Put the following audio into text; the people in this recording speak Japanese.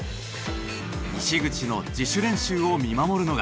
石口の自主練習を見守るのが。